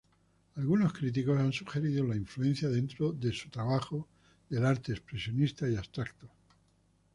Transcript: Algunos críticos han sugerido la influencia dentro su trabajo del arte expresionista y abstracto.